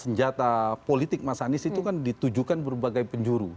senjata politik mas anies itu kan ditujukan berbagai penjuru